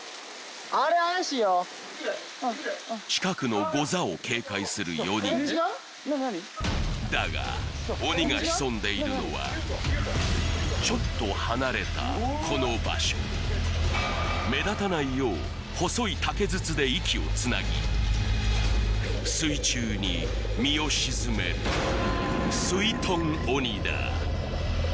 あれ近くのゴザを警戒する４人だが鬼が潜んでいるのはちょっと離れたこの場所目立たないよう細い竹筒で息をつなぎ水中に身を沈める水とん鬼だ